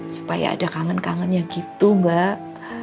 supaya ada kangen kangannya gitu mbak